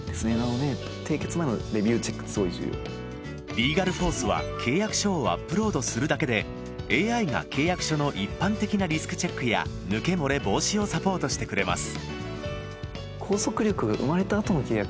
ＬｅｇａｌＦｏｒｃｅは契約書をアップロードするだけでＡＩが契約書の一般的なリスクチェックや抜け漏れ防止をサポートしてくれます